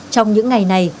trong những ngày này